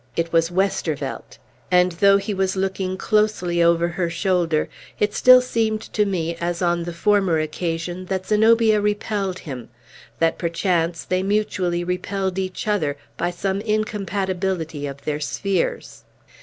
It was Westervelt. And though he was looking closely over her shoulder, it still seemed to me, as on the former occasion, that Zenobia repelled him, that, perchance, they mutually repelled each other, by some incompatibility of their spheres.